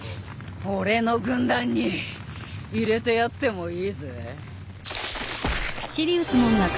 俺の軍団に入れてやってもいいぜ。